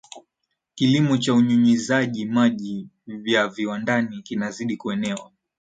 Kilimo cha unyunyizaji maji ya viwandani kinazidi kuenea